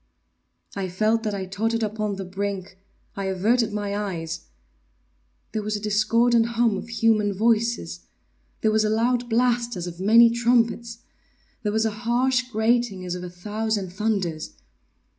I felt that I tottered upon the brink—I averted my eyes— There was a discordant hum of human voices! There was a loud blast as of many trumpets! There was a harsh grating as of a thousand thunders!